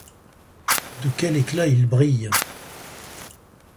De quel éclat il brille!